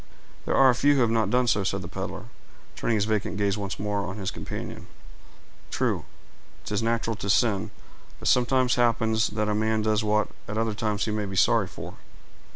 "There are few who have not done so," said the peddler, turning his vacant gaze once more on his companion. "True—'tis natural to sin; but it sometimes happens that a man does what at other times he may be sorry for.